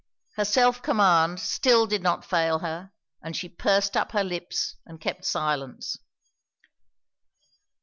Her self command still did not fail her, and she pursed up her lips and kept silence.